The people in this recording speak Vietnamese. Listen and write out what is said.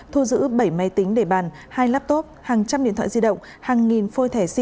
thu giữ bảy máy tính để bàn hai laptop hàng trăm điện thoại di động hàng nghìn phôi thẻ sim